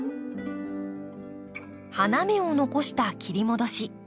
花芽を残した切り戻し。